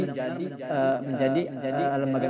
menjadi lembaga yang terkena